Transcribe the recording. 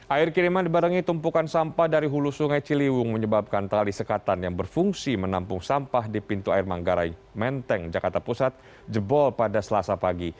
air kiriman dibarengi tumpukan sampah dari hulu sungai ciliwung menyebabkan tali sekatan yang berfungsi menampung sampah di pintu air manggarai menteng jakarta pusat jebol pada selasa pagi